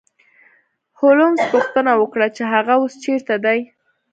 هولمز پوښتنه وکړه چې هغه اوس چیرته دی